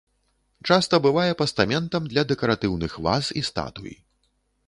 Часта бывае пастаментам для дэкаратыўных ваз і статуй.